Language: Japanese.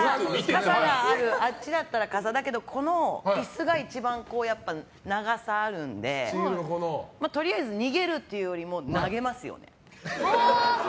あっちだったら傘だけどこの椅子が一番長さがあるのでとりあえず逃げるというよりも投げます。